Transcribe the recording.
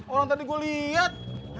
orang tadi gua lihat